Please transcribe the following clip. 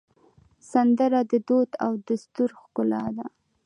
سندره د دود او دستور ښکلا ده